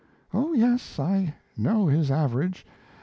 "Oh yes, I know his average.